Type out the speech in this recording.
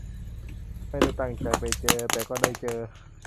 ไม่ได้ตั้งใจไปเจอ แต่ก็ได้เจอ